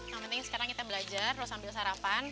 yang penting sekarang kita belajar terus sambil sarapan